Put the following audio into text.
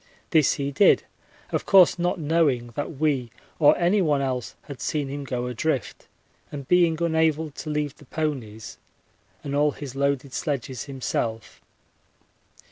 This he did, of course not knowing that we or anyone else had seen him go adrift, and being unable to leave the ponies and all his loaded sledges himself.